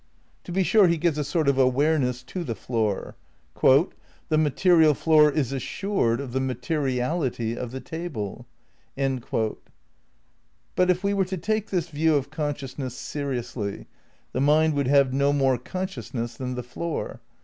To be sure he gives a sort of awareness to the floor. "The material floor is assured of the materiality of the table." But, if we were to take this view of consciousness seriously, the mind would have no more consciousness than the floor.